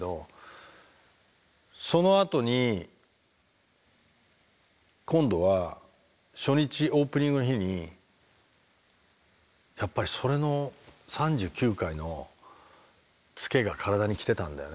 そのあとに今度は初日オープニングの日にやっぱりそれの３９回のツケが体に来てたんだよね。